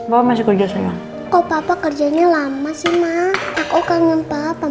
bawa masih kerja sayang kok papa kerjanya lama sih ma aku kangen papa